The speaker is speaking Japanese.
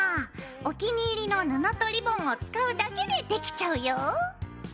お気に入りの布とリボンを使うだけでできちゃうよ。